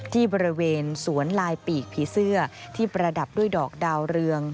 ที่บริเวณสวนลายปีกผีเสื้อที่ประดับด้วยดอกดาวเรือง